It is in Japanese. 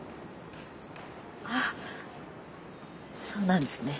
あっそうなんですね。